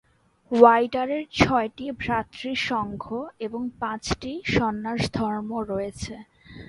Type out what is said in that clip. ওয়াইডারের ছয়টি ভ্রাতৃসংঘ এবং পাঁচটি সন্ন্যাসধর্ম রয়েছে।